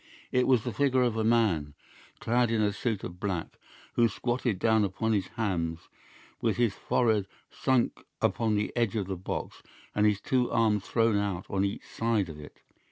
It was the figure of a man, clad in a suit of black, who squatted down upon his hams with his forehead sunk upon the edge of the box and his two arms thrown out on each side of it.